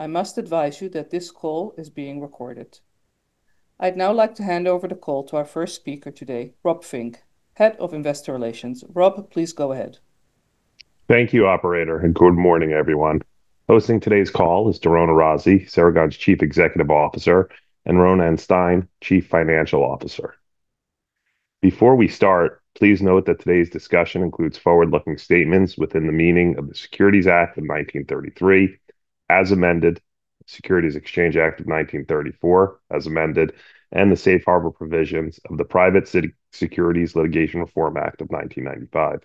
I must advise you that this call is being recorded. I'd now like to hand over the call to our first speaker today, Rob Fink, Head of Investor Relations. Rob, please go ahead. Thank you, operator, and good morning, everyone. Hosting today's call is Doron Arazi, Ceragon's Chief Executive Officer, and Ronen Stein, Chief Financial Officer. Before we start, please note that today's discussion includes forward-looking statements within the meaning of the Securities Act of 1933, as amended, Securities Exchange Act of 1934, as amended, and the safe harbor provisions of the Private Securities Litigation Reform Act of 1995.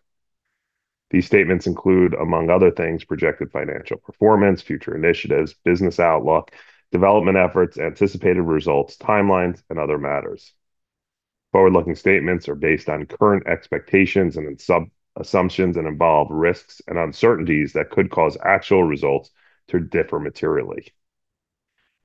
These statements include, among other things, projected financial performance, future initiatives, business outlook, development efforts, anticipated results, timelines, and other matters. Forward-looking statements are based on current expectations and subject to assumptions, and involve risks and uncertainties that could cause actual results to differ materially.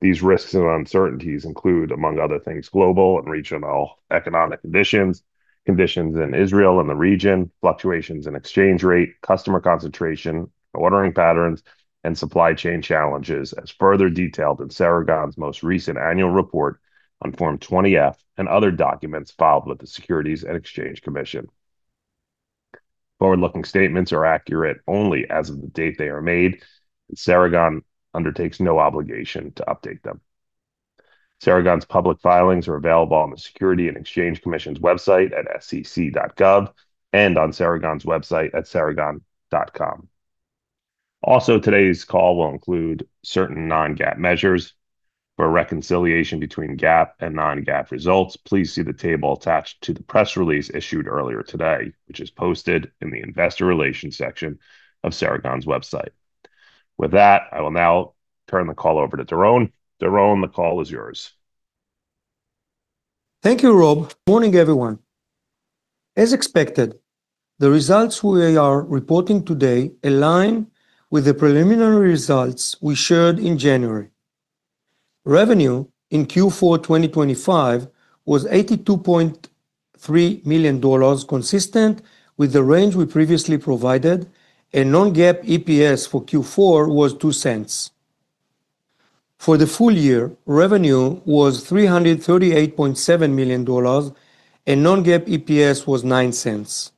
These risks and uncertainties include, among other things, global and regional economic conditions, conditions in Israel and the region, fluctuations in exchange rate, customer concentration, ordering patterns, and supply chain challenges, as further detailed in Ceragon's most recent annual report on Form 20-F and other documents filed with the Securities and Exchange Commission. Forward-looking statements are accurate only as of the date they are made, and Ceragon undertakes no obligation to update them. Ceragon's public filings are available on the Securities and Exchange Commission's website at sec.gov and on Ceragon's website at ceragon.com. Also, today's call will include certain non-GAAP measures. For a reconciliation between GAAP and non-GAAP results, please see the table attached to the press release issued earlier today, which is posted in the Investor Relations section of Ceragon's website. With that, I will now turn the call over to Doron. Doron, the call is yours. Thank you, Rob. Morning, everyone. As expected, the results we are reporting today align with the preliminary results we shared in January. Revenue in Q4, 2025 was $82.3 million, consistent with the range we previously provided, and non-GAAP EPS for Q4 was $0.02. For the full year, revenue was $338.7 million, and non-GAAP EPS was $0.09.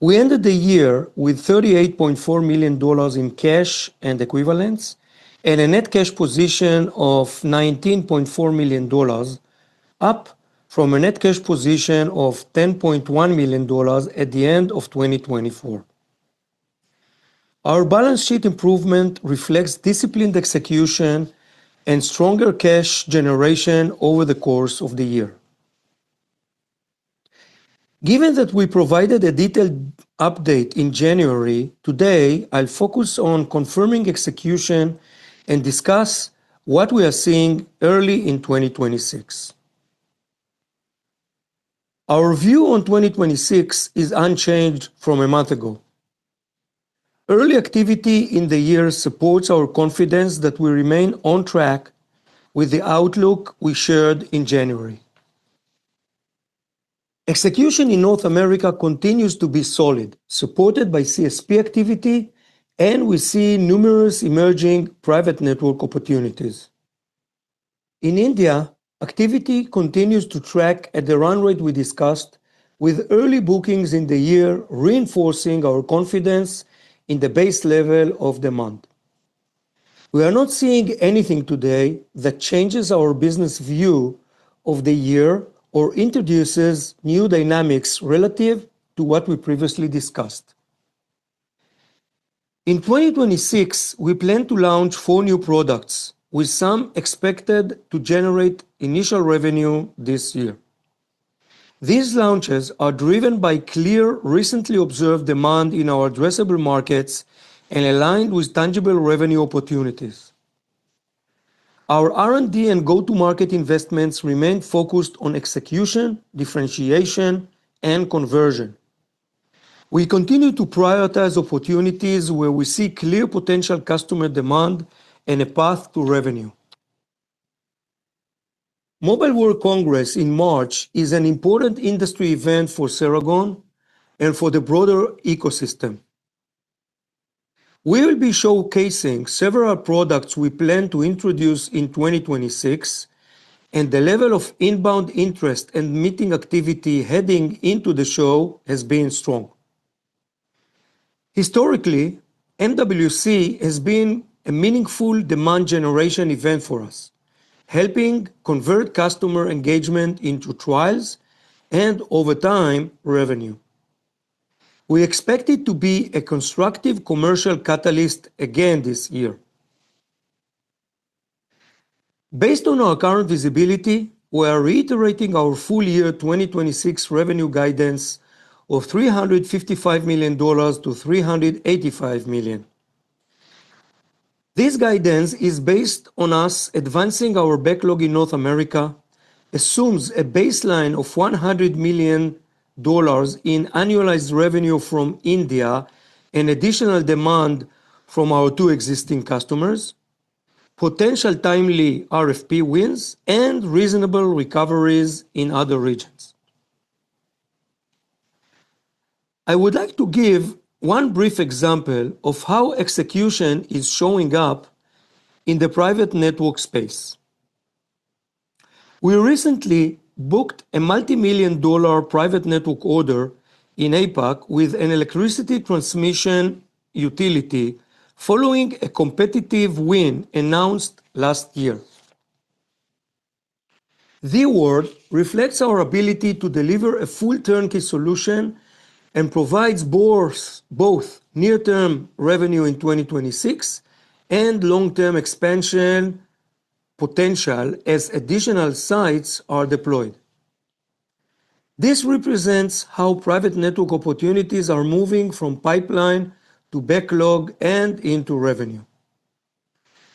We ended the year with $38.4 million in cash and equivalents and a net cash position of $19.4 million, up from a net cash position of $10.1 million at the end of 2024. Our balance sheet improvement reflects disciplined execution and stronger cash generation over the course of the year. Given that we provided a detailed update in January, today, I'll focus on confirming execution and discuss what we are seeing early in 2026. Our view on 2026 is unchanged from a month ago. Early activity in the year supports our confidence that we remain on track with the outlook we shared in January. Execution in North America continues to be solid, supported by CSP activity, and we see numerous emerging private network opportunities. In India, activity continues to track at the run rate we discussed, with early bookings in the year reinforcing our confidence in the base level of demand. We are not seeing anything today that changes our business view of the year or introduces new dynamics relative to what we previously discussed. In 2026, we plan to launch four new products, with some expected to generate initial revenue this year. These launches are driven by clear, recently observed demand in our addressable markets and aligned with tangible revenue opportunities. Our R&D and go-to-market investments remain focused on execution, differentiation, and conversion. We continue to prioritize opportunities where we see clear potential customer demand and a path to revenue. Mobile World Congress in March is an important industry event for Ceragon and for the broader ecosystem. We will be showcasing several products we plan to introduce in 2026, and the level of inbound interest and meeting activity heading into the show has been strong. Historically, MWC has been a meaningful demand generation event for us, helping convert customer engagement into trials and, over time, revenue. We expect it to be a constructive commercial catalyst again this year. Based on our current visibility, we are reiterating our full year 2026 revenue guidance of $355 million-$385 million. This guidance is based on us advancing our backlog in North America, assumes a baseline of $100 million in annualized revenue from India and additional demand from our two existing customers, potential timely RFP wins, and reasonable recoveries in other regions.... I would like to give one brief example of how execution is showing up in the private network space. We recently booked a multi-million-dollar private network order in APAC with an electricity transmission utility, following a competitive win announced last year. The award reflects our ability to deliver a full turnkey solution and provides both near-term revenue in 2026 and long-term expansion potential as additional sites are deployed. This represents how private network opportunities are moving from pipeline to backlog and into revenue.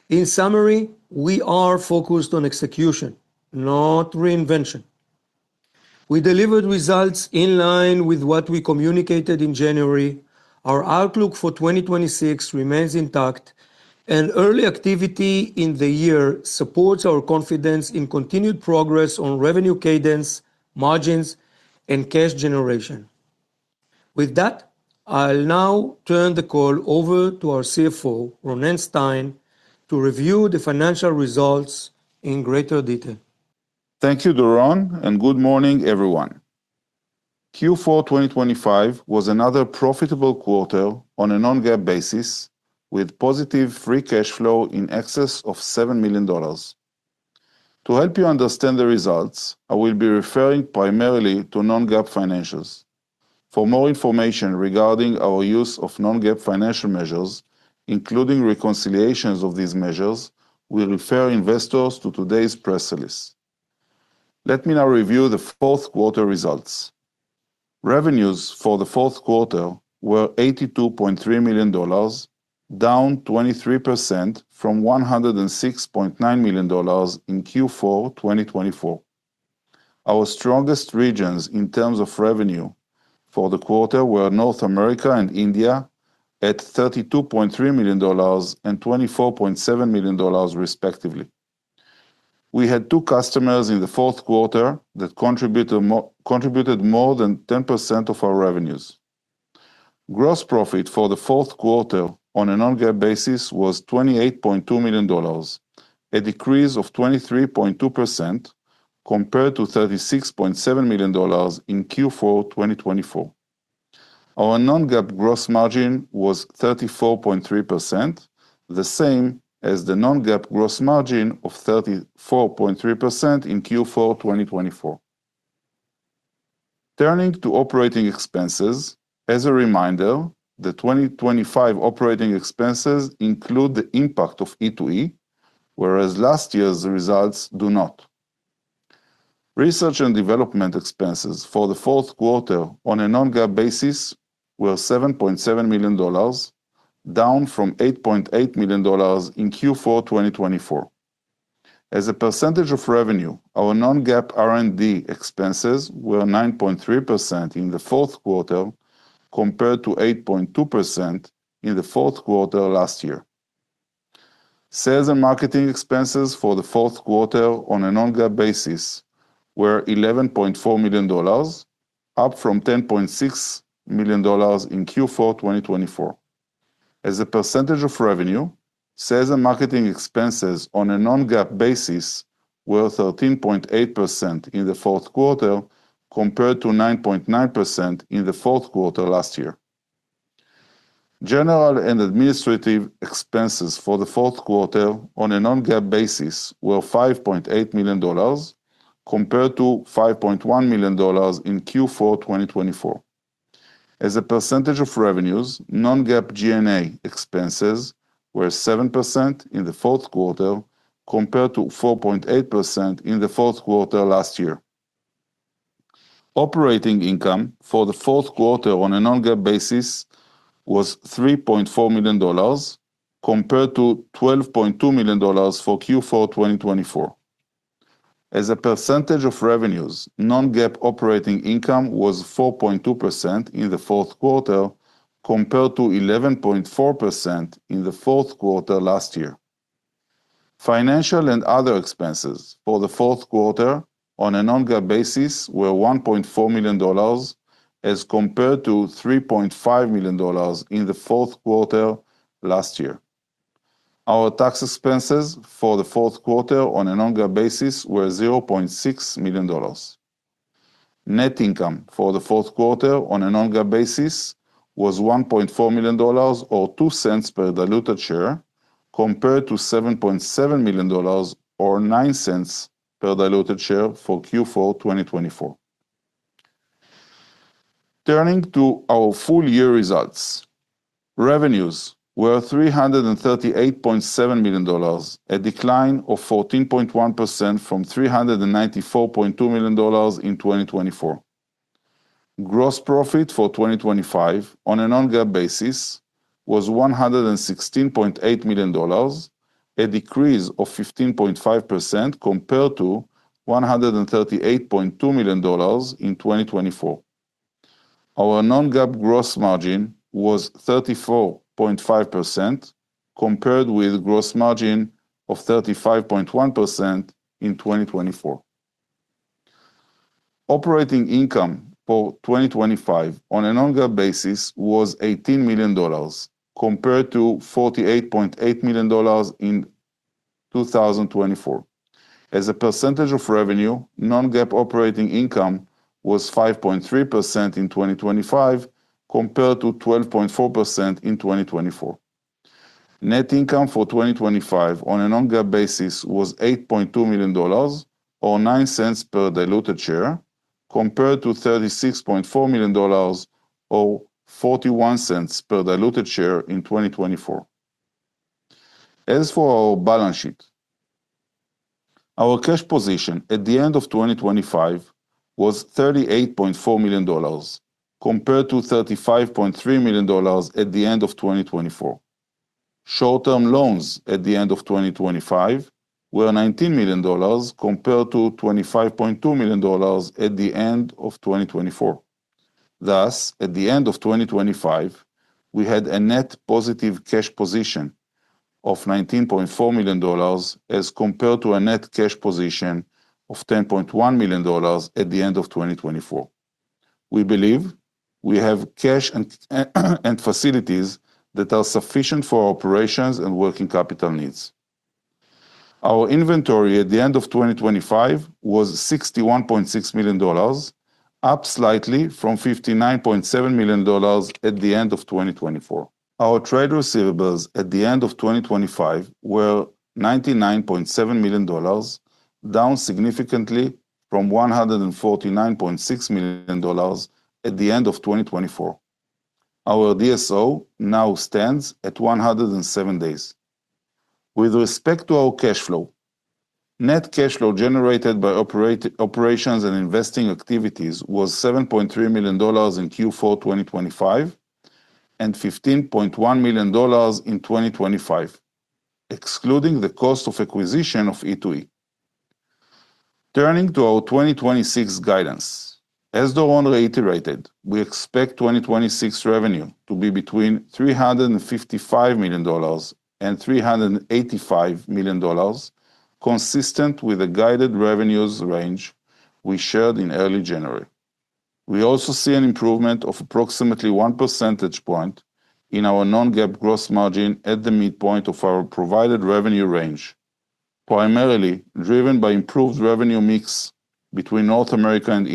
In summary, we are focused on execution, not reinvention. We delivered results in line with what we communicated in January. Our outlook for 2026 remains intact, and early activity in the year supports our confidence in continued progress on revenue cadence, margins, and cash generation. With that, I'll now turn the call over to our CFO, Ronen Stein, to review the financial results in greater detail. Thank you, Doron, and good morning, everyone. Q4 2025 was another profitable quarter on a non-GAAP basis, with positive free cash flow in excess of $7 million. To help you understand the results, I will be referring primarily to non-GAAP financials. For more information regarding our use of non-GAAP financial measures, including reconciliations of these measures, we refer investors to today's press release. Let me now review the fourth quarter results. Revenues for the fourth quarter were $82.3 million, down 23% from $106.9 million in Q4 2024. Our strongest regions in terms of revenue for the quarter were North America and India, at $32.3 million and $24.7 million, respectively. We had two customers in the fourth quarter that contributed more than 10% of our revenues. Gross profit for the fourth quarter on a non-GAAP basis was $28.2 million, a decrease of 23.2% compared to $36.7 million in Q4 2024. Our non-GAAP gross margin was 34.3%, the same as the non-GAAP gross margin of 34.3% in Q4 2024. Turning to operating expenses, as a reminder, the 2025 operating expenses include the impact of E2E, whereas last year's results do not. Research and development expenses for the fourth quarter on a non-GAAP basis were $7.7 million, down from $8.8 million in Q4 2024. As a percentage of revenue, our non-GAAP R&D expenses were 9.3% in the fourth quarter, compared to 8.2% in the fourth quarter last year. Sales and marketing expenses for the fourth quarter on a non-GAAP basis were $11.4 million, up from $10.6 million in Q4 2024. As a percentage of revenue, sales and marketing expenses on a non-GAAP basis were 13.8% in the fourth quarter, compared to 9.9% in the fourth quarter last year. General and administrative expenses for the fourth quarter on a non-GAAP basis were $5.8 million, compared to $5.1 million in Q4 2024. As a percentage of revenues, non-GAAP G&A expenses were 7% in the fourth quarter, compared to 4.8% in the fourth quarter last year. Operating income for the fourth quarter on a non-GAAP basis was $3.4 million, compared to $12.2 million for Q4 2024. As a percentage of revenues, non-GAAP operating income was 4.2% in the fourth quarter, compared to 11.4% in the fourth quarter last year. Financial and other expenses for the fourth quarter on a non-GAAP basis were $1.4 million, as compared to $3.5 million in the fourth quarter last year. Our tax expenses for the fourth quarter on a non-GAAP basis were $0.6 million. Net income for the fourth quarter on a non-GAAP basis was $1.4 million, or $0.02 per diluted share, compared to $7.7 million, or $0.09 per diluted share for Q4 2024. Turning to our full-year results, revenues were $338.7 million, a decline of 14.1% from $394.2 million in 2024. Gross profit for 2025 on a non-GAAP basis was $116.8 million, a decrease of 15.5% compared to $138.2 million in 2024. Our non-GAAP gross margin was 34.5%, compared with gross margin of 35.1% in 2024. Operating income for 2025 on a non-GAAP basis was $18 million, compared to $48.8 million in 2024. As a percentage of revenue, non-GAAP operating income was 5.3% in 2025, compared to 12.4% in 2024. Net income for 2025 on a Non-GAAP basis was $8.2 million, or $0.09 per diluted share, compared to $36.4 million, or $0.41 per diluted share in 2024. As for our balance sheet, our cash position at the end of 2025 was $38.4 million, compared to $35.3 million at the end of 2024. Short-term loans at the end of 2025 were $19 million, compared to $25.2 million at the end of 2024. Thus, at the end of 2025, we had a net positive cash position of $19.4 million, as compared to a net cash position of $10.1 million at the end of 2024. We believe we have cash and facilities that are sufficient for operations and working capital needs. Our inventory at the end of 2025 was $61.6 million, up slightly from $59.7 million at the end of 2024. Our trade receivables at the end of 2025 were $99.7 million, down significantly from $149.6 million at the end of 2024. Our DSO now stands at 107 days. With respect to our cash flow, net cash flow generated by operations and investing activities was $7.3 million in Q4 2025, and $15.1 million in 2025, excluding the cost of acquisition of E2E. Turning to our 2026 guidance, as Doron reiterated, we expect 2026 revenue to be between $355 million and $385 million, consistent with the guided revenues range we shared in early January. We also see an improvement of approximately 1 percentage point in our non-GAAP gross margin at the midpoint of our provided revenue range, primarily driven by improved revenue mix between North America and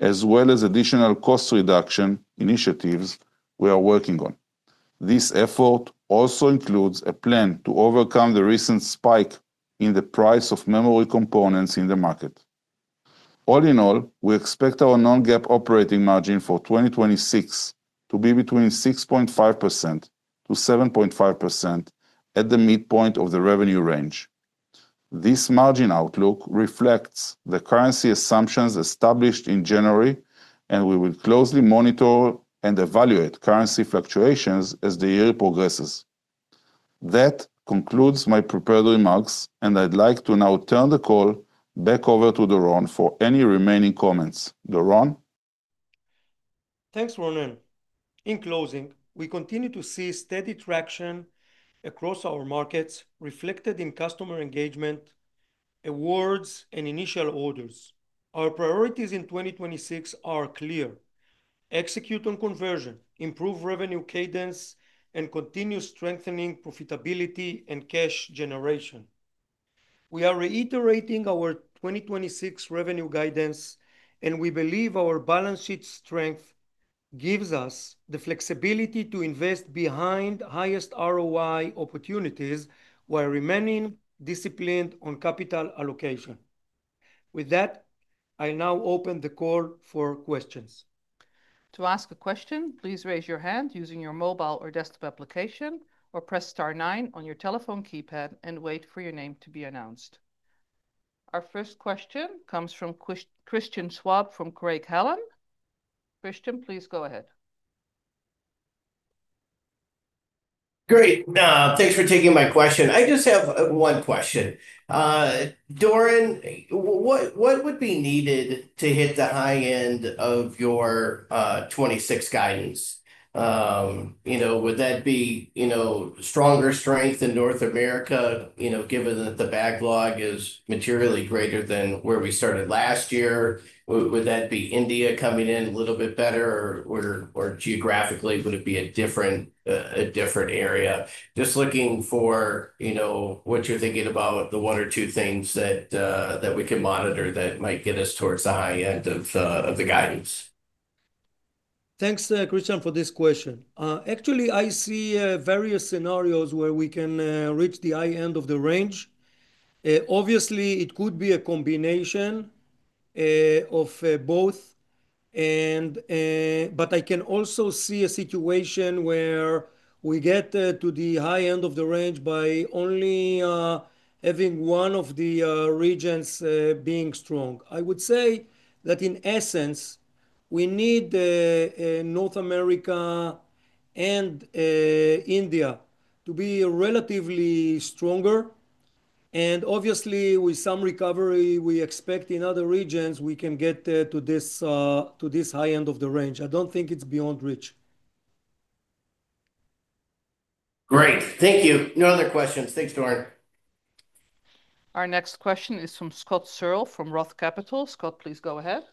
India, as well as additional cost reduction initiatives we are working on. This effort also includes a plan to overcome the recent spike in the price of memory components in the market. All in all, we expect our non-GAAP operating margin for 2026 to be between 6.5% and 7.5% at the midpoint of the revenue range. This margin outlook reflects the currency assumptions established in January, and we will closely monitor and evaluate currency fluctuations as the year progresses. That concludes my prepared remarks, and I'd like to now turn the call back over to Doron for any remaining comments. Doron? Thanks, Ronen. In closing, we continue to see steady traction across our markets, reflected in customer engagement, awards, and initial orders. Our priorities in 2026 are clear: execute on conversion, improve revenue cadence, and continue strengthening profitability and cash generation. We are reiterating our 2026 revenue guidance, and we believe our balance sheet strength gives us the flexibility to invest behind highest ROI opportunities while remaining disciplined on capital allocation. With that, I now open the call for questions. To ask a question, please raise your hand using your mobile or desktop application, or press star nine on your telephone keypad and wait for your name to be announced. Our first question comes from Christian Schwab, from Craig-Hallum. Christian, please go ahead. Great, thanks for taking my question. I just have one question. Doron, what would be needed to hit the high end of your 26 guidance? You know, would that be stronger strength in North America, you know, given that the backlog is materially greater than where we started last year? Would that be India coming in a little bit better, or geographically, would it be a different area? Just looking for, you know, what you're thinking about, the one or two things that we can monitor that might get us towards the high end of the guidance. Thanks, Christian, for this question. Actually, I see various scenarios where we can reach the high end of the range. Obviously, it could be a combination of both, and... But I can also see a situation where we get to the high end of the range by only having one of the regions being strong. I would say that, in essence, we need North America and India to be relatively stronger. And obviously, with some recovery we expect in other regions, we can get to this high end of the range. I don't think it's beyond reach. Great. Thank you. No other questions. Thanks, Doron. Our next question is from Scott Searle from Roth Capital. Scott, please go ahead.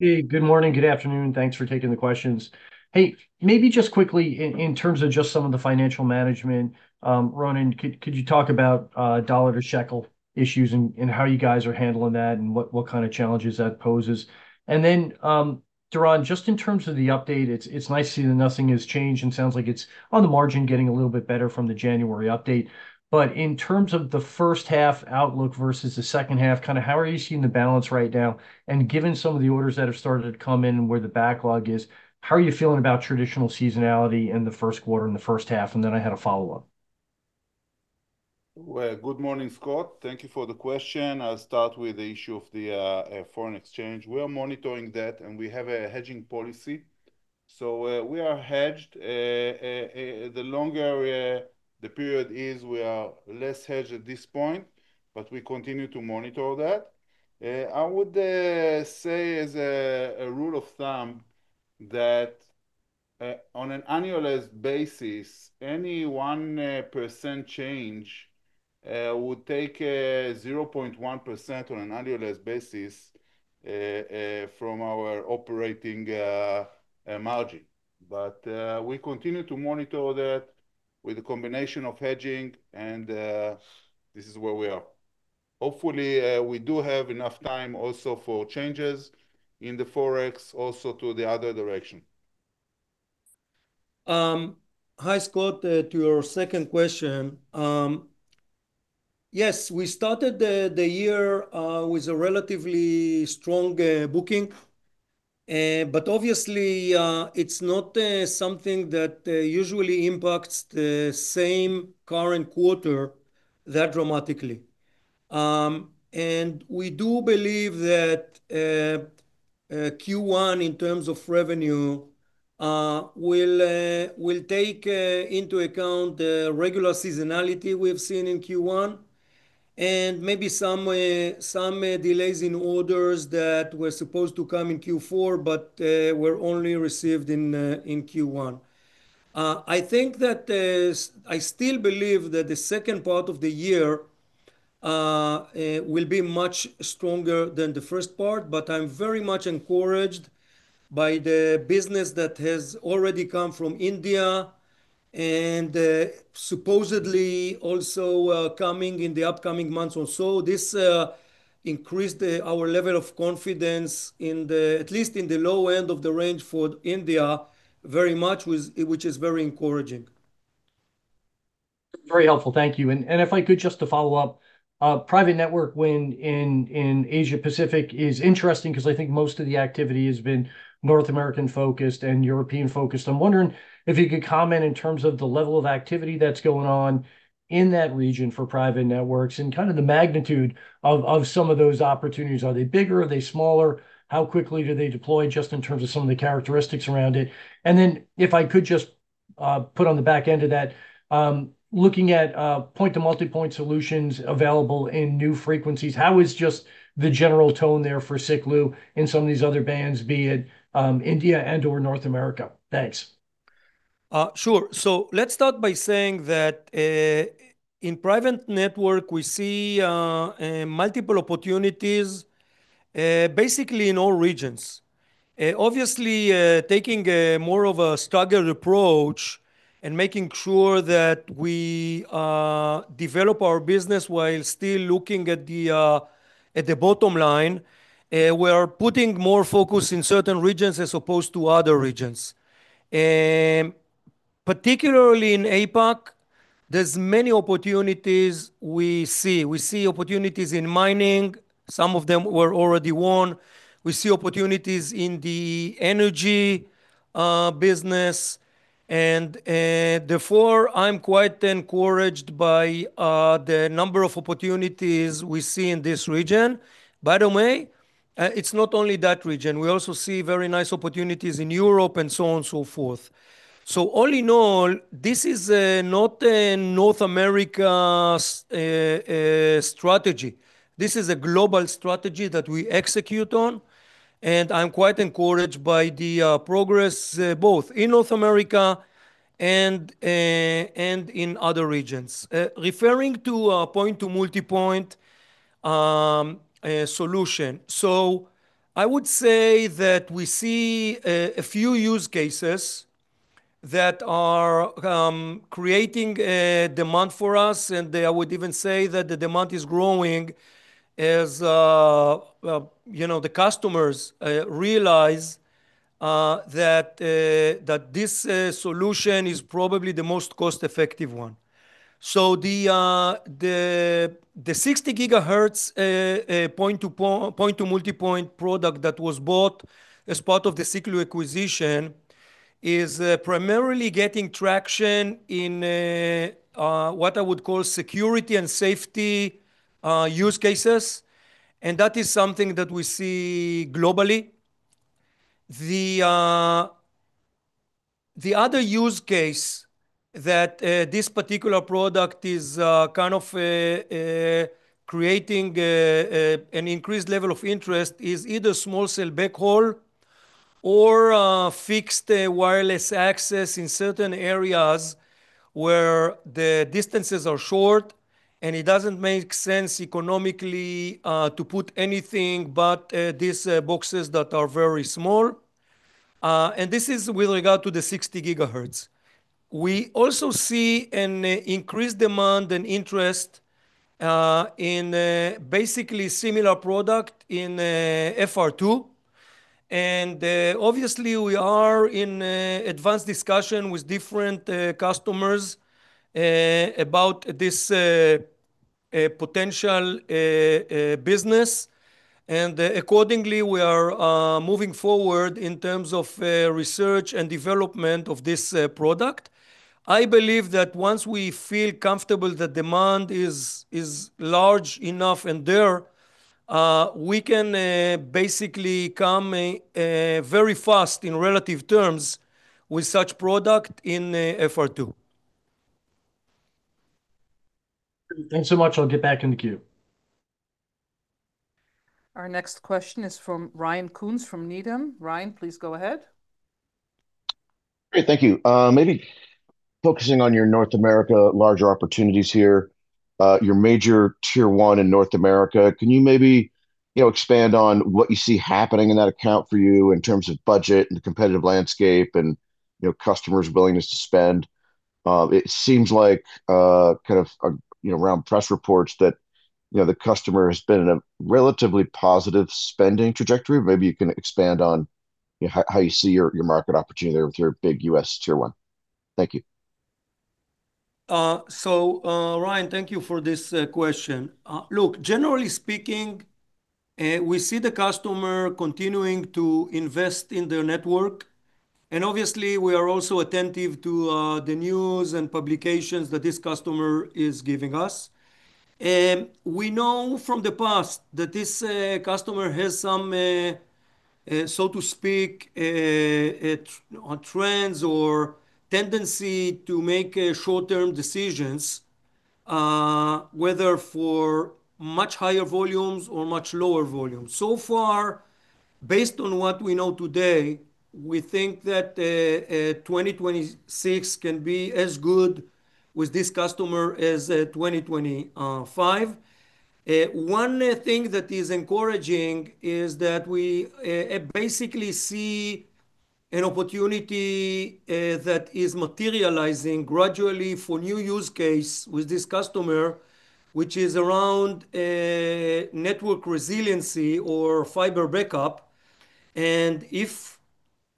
Hey, good morning, good afternoon. Thanks for taking the questions. Hey, maybe just quickly in terms of just some of the financial management, Ronen, could you talk about dollar to shekel issues and how you guys are handling that, and what kind of challenges that poses? And then, Doron, just in terms of the update, it's nice to see that nothing has changed and sounds like it's on the margin getting a little bit better from the January update. But in terms of the first half outlook versus the second half, kind of how are you seeing the balance right now? And given some of the orders that have started to come in, where the backlog is, how are you feeling about traditional seasonality in the first quarter and the first half? And then I had a follow-up. Well, good morning, Scott. Thank you for the question. I'll start with the issue of the foreign exchange. We are monitoring that, and we have a hedging policy, so, we are hedged. The longer the period is, we are less hedged at this point, but we continue to monitor that. I would say as a rule of thumb, that, on an annualized basis, any 1% change would take 0.1% on an annualized basis from our operating margin. But, we continue to monitor that with a combination of hedging and, this is where we are. Hopefully, we do have enough time also for changes in the Forex, also to the other direction. Hi, Scott, to your second question, yes, we started the year with a relatively strong booking, but obviously, it's not something that usually impacts the same current quarter that dramatically. We do believe that Q1, in terms of revenue, will take into account the regular seasonality we've seen in Q1, and maybe some delays in orders that were supposed to come in Q4, but were only received in Q1. I think that I still believe that the second part of the year will be much stronger than the first part, but I'm very much encouraged by the business that has already come from India and supposedly also coming in the upcoming months or so. This increased our level of confidence in the, at least in the low end of the range for India very much, which is very encouraging. Very helpful. Thank you. And if I could just to follow up, private network win in Asia-Pacific is interesting 'cause I think most of the activity has been North American focused and European focused. I'm wondering if you could comment in terms of the level of activity that's going on in that region for private networks and kind of the magnitude of some of those opportunities. Are they bigger? Are they smaller? How quickly do they deploy, just in terms of some of the characteristics around it? And then if I could just put on the back end of that, looking at point-to-multipoint solutions available in new frequencies, how is just the general tone there for Siklu in some of these other bands, be it India and, or North America? Thanks. Sure. So let's start by saying that, in private network, we see multiple opportunities, basically in all regions. Obviously, taking a more of a staggered approach and making sure that we develop our business while still looking at the bottom line, we are putting more focus in certain regions as opposed to other regions. Particularly in APAC, there's many opportunities we see. We see opportunities in mining, some of them were already won. We see opportunities in the energy business, and therefore, I'm quite encouraged by the number of opportunities we see in this region. By the way, it's not only that region, we also see very nice opportunities in Europe and so on and so forth. So all in all, this is not a North America's strategy. This is a global strategy that we execute on, and I'm quite encouraged by the progress both in North America and in other regions. Referring to our point-to-multipoint solution, so I would say that we see a few use cases that are creating a demand for us, and I would even say that the demand is growing as well, you know, the customers realize that that this solution is probably the most cost-effective one. So the 60 GHz point-to-multipoint product that was bought as part of the Siklu acquisition is primarily getting traction in what I would call security and safety use cases, and that is something that we see globally. The other use case that this particular product is kind of creating an increased level of interest is either small cell backhaul or fixed wireless access in certain areas where the distances are short, and it doesn't make sense economically to put anything but these boxes that are very small. And this is with regard to the 60 GHz. We also see an increased demand and interest in a basically similar product in FR2, and obviously we are in advanced discussion with different customers about this a potential business. And accordingly, we are moving forward in terms of research and development of this product. I believe that once we feel comfortable the demand is large enough and there we can basically come very fast in relative terms with such product in FR2. Thanks so much. I'll get back in the queue. Our next question is from Ryan Koontz from Needham. Ryan, please go ahead. Great. Thank you. Maybe focusing on your North America larger opportunities here, your major Tier 1 in North America, can you maybe, you know, expand on what you see happening in that account for you in terms of budget and competitive landscape and, you know, customers' willingness to spend? It seems like, kind of, you know, around press reports that, you know, the customer has been in a relatively positive spending trajectory. Maybe you can expand on, you know, how, how you see your, your market opportunity there with your big U.S. Tier 1. Thank you. So, Ryan, thank you for this question. Look, generally speaking, we see the customer continuing to invest in their network, and obviously, we are also attentive to the news and publications that this customer is giving us. We know from the past that this customer has some, so to speak, on trends or tendency to make short-term decisions, whether for much higher volumes or much lower volumes. So far, based on what we know today, we think that 2026 can be as good with this customer as 2025. One thing that is encouraging is that we basically see an opportunity that is materializing gradually for new use case with this customer, which is around network resiliency or fiber backup. If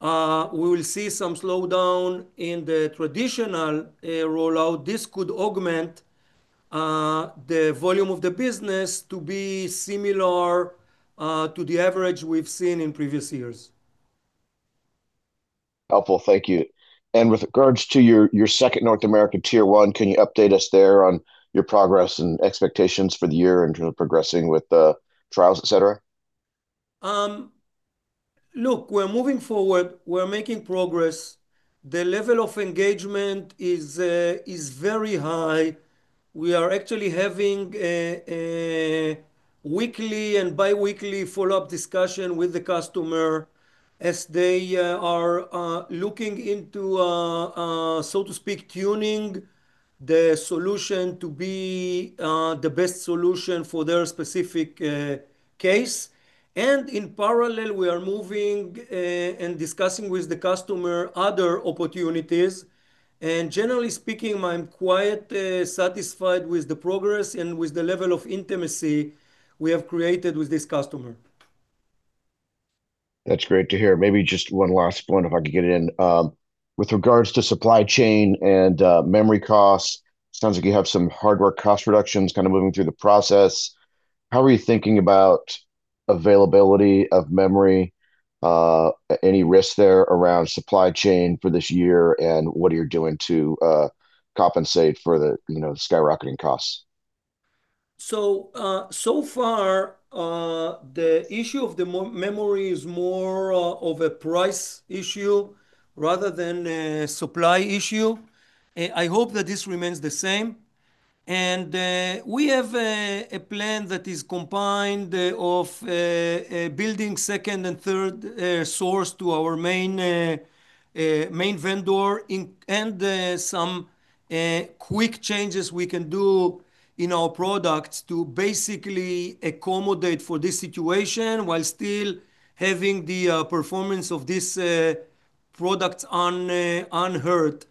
we will see some slowdown in the traditional rollout, this could augment the volume of the business to be similar to the average we've seen in previous years. Helpful. Thank you. With regards to your, your second North American Tier 1, can you update us there on your progress and expectations for the year in terms of progressing with the trials, et cetera? Look, we're moving forward. We're making progress. The level of engagement is very high. We are actually having a weekly and bi-weekly follow-up discussion with the customer as they are looking into, so to speak, tuning the solution to be the best solution for their specific case. And in parallel, we are moving and discussing with the customer other opportunities. And generally speaking, I'm quite satisfied with the progress and with the level of intimacy we have created with this customer. That's great to hear. Maybe just one last one, if I could get it in. With regards to supply chain and memory costs, sounds like you have some hardware cost reductions kind of moving through the process. How are you thinking about availability of memory? Any risk there around supply chain for this year, and what are you doing to compensate for the, you know, skyrocketing costs? So far, the issue of the memory is more of a price issue rather than a supply issue. I hope that this remains the same. We have a plan that is combined of a building second and third source to our main vendor, and some quick changes we can do in our products to basically accommodate for this situation, while still having the performance of this products unhurt,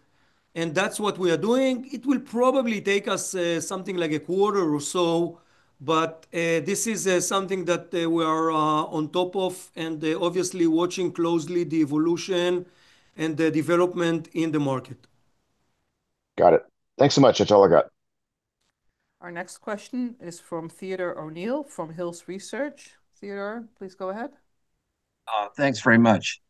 and that's what we are doing. It will probably take us something like a quarter or so, but this is something that we are on top of, and obviously watching closely the evolution and the development in the market. Got it. Thanks so much. That's all I got. Our next question is from Theodore O'Neill, from Hills Research. Theodore, please go ahead. Thanks very much.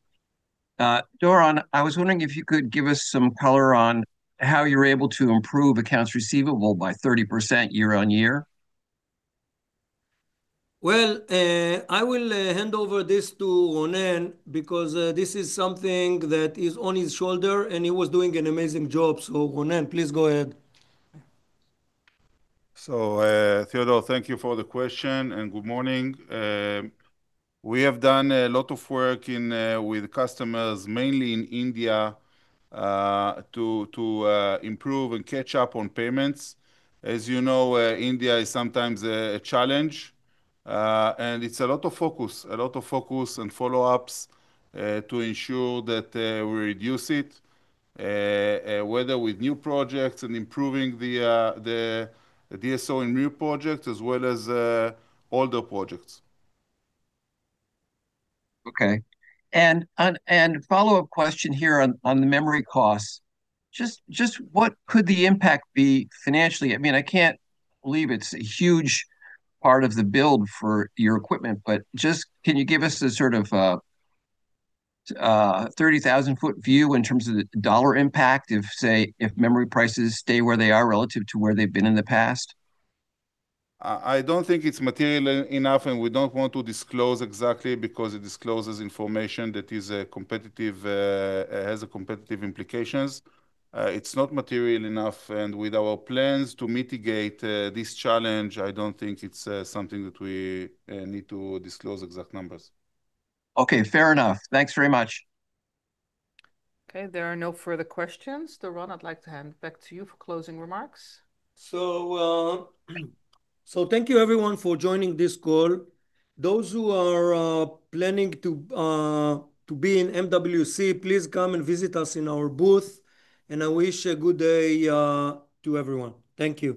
Doron, I was wondering if you could give us some color on how you're able to improve accounts receivable by 30% year-on-year? Well, I will hand over this to Ronen, because this is something that is on his shoulder, and he was doing an amazing job. So Ronen, please go ahead. So, Theodore, thank you for the question, and good morning. We have done a lot of work in with customers, mainly in India, to improve and catch up on payments. As you know, India is sometimes a challenge, and it's a lot of focus, a lot of focus and follow-ups to ensure that we reduce it, whether with new projects and improving the DSO in new projects as well as older projects. Okay, a follow-up question here on the memory costs, just what could the impact be financially? I mean, I can't believe it's a huge part of the build for your equipment, but just can you give us a sort of a 30,000-foot view in terms of the dollar impact, if, say, memory prices stay where they are relative to where they've been in the past? I don't think it's material enough, and we don't want to disclose exactly because it discloses information that is competitive, has a competitive implications. It's not material enough, and with our plans to mitigate this challenge, I don't think it's something that we need to disclose exact numbers. Okay, fair enough. Thanks very much. Okay, there are no further questions. Doron, I'd like to hand back to you for closing remarks. So, thank you everyone for joining this call. Those who are planning to be in MWC, please come and visit us in our booth, and I wish a good day to everyone. Thank you.